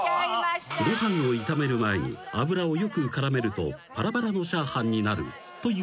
［ご飯を炒める前に油をよく絡めるとパラパラのチャーハンになるという裏技］